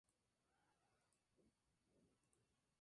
Se están produciendo numerosos asesinatos y crímenes.